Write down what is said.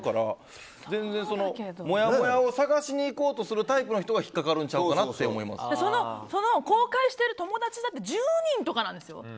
全然、もやもやを探しにいこうとするタイプの人は引っかかるんちゃうかなと公開してる友達だって１０人とかなんですよ。